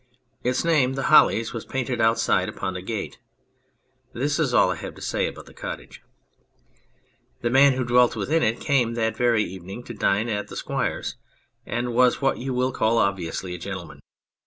Its name, " The Hollies," was painted outside upon the gate. This is all I have to say about the cottage. The man who dwelt within it came that very evening to dine at the Squire's, and was what you will call obviously a gentleman.